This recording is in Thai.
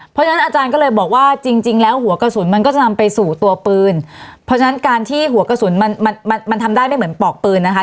เพราะฉะนั้นอาจารย์ก็เลยบอกว่าจริงจริงแล้วหัวกระสุนมันก็จะนำไปสู่ตัวปืนเพราะฉะนั้นการที่หัวกระสุนมันมันทำได้ไม่เหมือนปอกปืนนะคะ